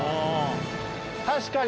確かに。